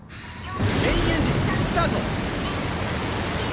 ・メインエンジンスタート。